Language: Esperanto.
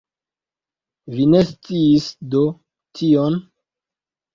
Vi ne sciis do tion?